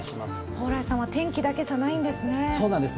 蓬莱さんは天気だけじゃないんですね。